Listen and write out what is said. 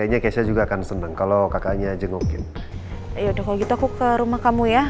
yaudah kalau gitu aku ke rumah kamu ya